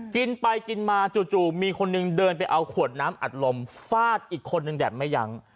กินไปกินมาจู่มีคนหนึ่งเดินไปเอาขวดน้ำอัดลมฟาดอีกคนนึงแบบไม่ยั้ง